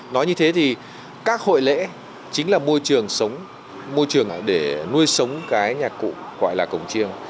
nói như thế thì các hội lễ chính là môi trường sống môi trường để nuôi sống cái nhạc cụ gọi là cổng chiêng